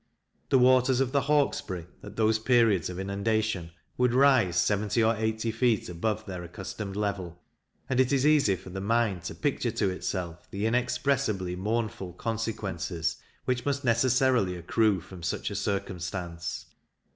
The waters of the Hawkesbury, at those periods of inundation, would rise seventy or eighty feet above their accustomed level; and it is easy for the mind to picture to itself the inexpressibly mournful consequences which must necessarily accrue from such a circumstance.